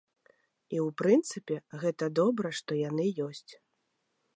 І ў прынцыпе, гэта добра, што яны ёсць.